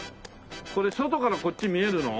これ外からこっち見えるの？